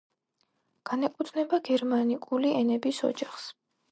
განეკუთვნება გერმანიკული ენების ოჯახს.